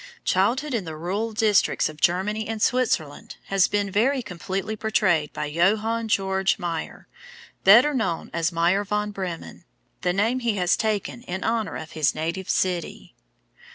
Childhood in the rural districts of Germany and Switzerland has been very completely portrayed by Johann Georg Meyer, better known as Meyer von Bremen, the name he has taken in honor of his native city.